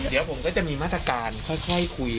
เดี๋ยวผมก็จะมีมาตรการค่อยคุย